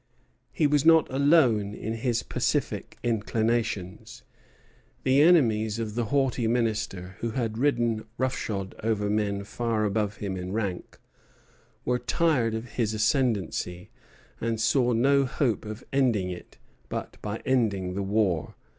He was not alone in his pacific inclinations. The enemies of the haughty Minister, who had ridden rough shod over men far above him in rank, were tired of his ascendency, and saw no hope of ending it but by ending the war.